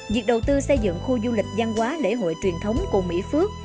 việc đầu tư xây dựng khu du lịch giang hóa lễ hội truyền thống của mỹ phước